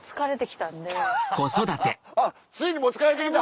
あっついにもう疲れて来た。